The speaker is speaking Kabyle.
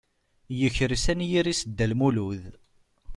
Yekres anyir-is Dda Lmulud.